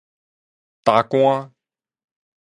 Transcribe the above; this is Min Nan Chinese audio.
大官